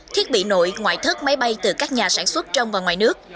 thiết bị nội ngoại thất máy bay từ các nhà sản xuất trong và ngoài nước